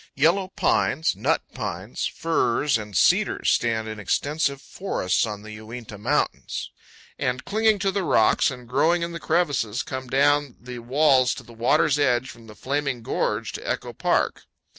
Yellow pines, nut pines, firs, and cedars stand in extensive forests on the Uinta Mountains, and, clinging to the rocks and growing in the crevices, come down the walls to the water's edge from Flaming Gorge to Echo Park.